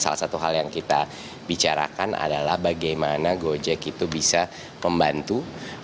salah satu hal yang kita bicarakan adalah bagaimana gojek itu bisa membantu